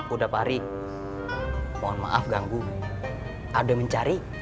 udah fahri mohon maaf ganggu ada yang mencari